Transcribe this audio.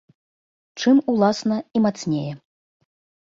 Чым, уласна, і мацнее.